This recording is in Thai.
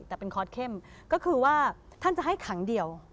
แต่เป็นคอร์สเข้มก็คือว่าท่านจะให้ขังเดียว